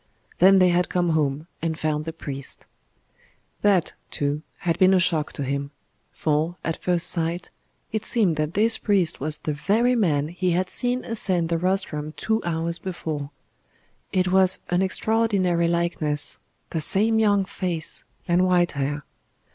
Then they had come home, and found the priest. That, too, had been a shock to him; for, at first sight, it seemed that this priest was the very man he had seen ascend the rostrum two hours before. It was an extraordinary likeness the same young face and white hair.